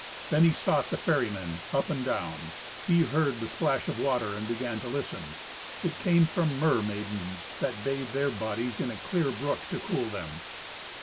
Then he sought the ferrymen up and down. He heard the splash of water and began to listen. It came from mermaidens that bathed their bodies in a clear brook to cool them.